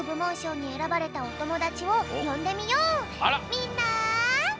みんな！